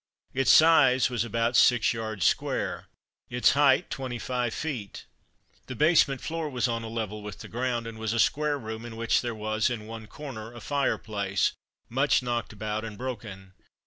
Its size was about six yards square; its height twenty five feet. The basement floor was on a level with the ground, and was a square room in which there was, in one corner, a fireplace, much knocked about and broken.